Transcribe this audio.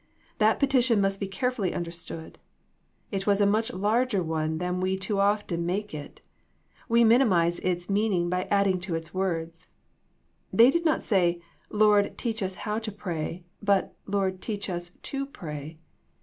That petition must be carefully understood. It was a much larger one than we too often make it. We minimize its meaning by add ing to its words. They did not say, Lord, teach us how to pray, but, " Lord, teach us to pray."